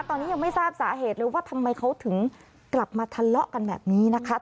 ตอนนี้ยังไม่ทราบสาเหตุเลยว่าทำไมเขาถึงกลับมาทะเลาะกันแบบนี้นะคะ